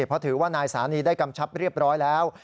เพราะถือว่านายสานีได้กำชับเรียบร้อยแล้ว